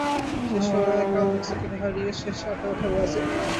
শেষ ষোলোয় কাল মেক্সিকোকে হারিয়ে শেষ আটে ওঠে ব্রাজিল।